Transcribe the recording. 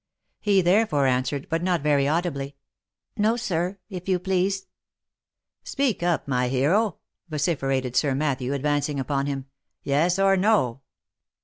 He, therefore, answered, but not very audibly, " No, sir, if you please." " Speak up, my hero !" vociferated Sir Matthew, advancing upon him, — "Yes, or no?"